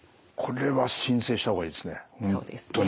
これは申請した方がいいですね